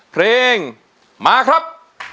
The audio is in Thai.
เพลงมาครับ